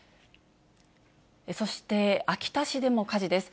そして、秋田市でも火事です。